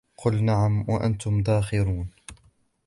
قُلْ نَعَمْ وَأَنْتُمْ دَاخِرُونَ